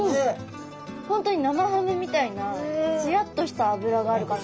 本当に生ハムみたいなつやっとした脂がある感じ。